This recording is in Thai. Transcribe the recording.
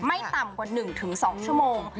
ไม่ต่ำกว่า๑๒ชั่วโมง